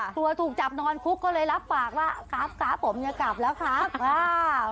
กลัวถูกจับนอนคุกก็เลยรับปากว่าครับผมอย่ากลับแล้วครับอ่า